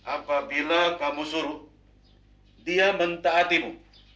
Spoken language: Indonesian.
apabila kamu suruh dia mentaatimu